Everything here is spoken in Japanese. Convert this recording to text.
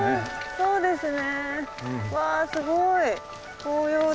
そうですね。